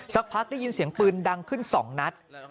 สักพักได้ยินเสียงปืนดังขึ้น๒นัด